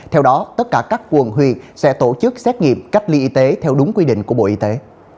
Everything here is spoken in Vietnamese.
theo đó tất cả các quần huyện sẽ tổ chức xét nghiệm cách ly y tế theo đúng quy định của bộ y tế